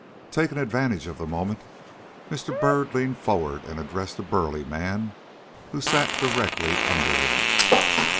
Taking advantage of the moment, Mr. Byrd leaned forward and addressed a burly man who sat directly under him.